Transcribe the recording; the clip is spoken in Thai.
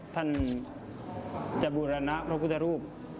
ท่านจะบูรณะพระพุทธรูป